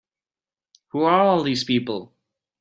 Who are these people?